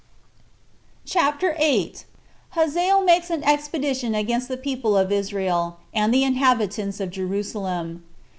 CHAPTER 8. Hazael Makes An Expedition Against The People Of Israel And The Inhabitants Of Jerusalem.